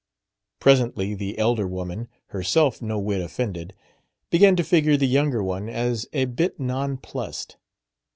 Presently the elder woman, herself no whit offended, began to figure the younger one as a bit nonplused.